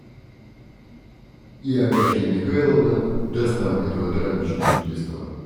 И Агафья Михайловна даст нам этого травничку чудесного...